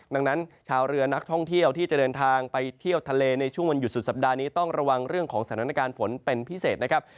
ดังนั้นชาวเรือนักท่องเที่ยวที่จะเดินทางไปเที่ยวทะเลในช่วงวันหยุดสุดสัปดาห์นี้ต้องระวังเรื่องของสถานการณ์ฝนเป็นพิเศษนะครับ